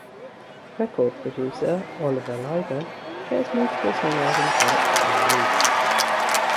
Record producer Oliver Leiber shares multiple songwriting credits on the release.